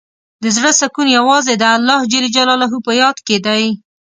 د زړۀ سکون یوازې د الله په یاد کې دی.